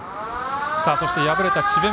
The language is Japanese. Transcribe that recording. そして、敗れた智弁